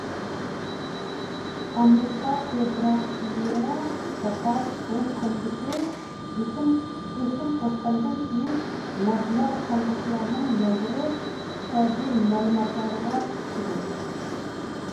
ئامېرىكا فېدېراتسىيە زاپاس پۇل كومىتېتى ئۆسۈم قوشقاندىن كىيىن، مەبلەغ سالغۇچىلارنىڭ نەزىرى ئىقتىسادى مەلۇماتلارغا چۈشىدۇ.